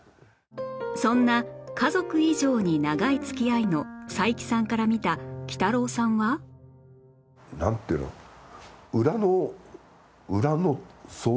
そんな家族以上に長い付き合いの斉木さんから見たきたろうさんは？なんていうの裏の裏の総帥。